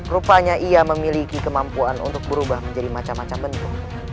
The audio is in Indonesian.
rupanya ia memiliki kemampuan untuk berubah menjadi macam macam bentuk